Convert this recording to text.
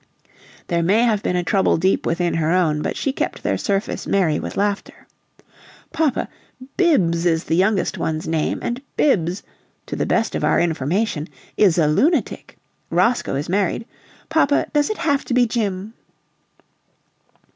There may have been a trouble deep within her own, but she kept their surface merry with laughter. "Papa, Bibbs is the youngest one's name, and Bibbs to the best of our information is a lunatic. Roscoe is married. Papa, does it have to be Jim?"